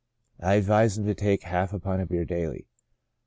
I advised him to take half a pint of beer daily.